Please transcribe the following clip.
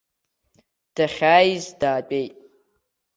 Дахьааиз даатәеит.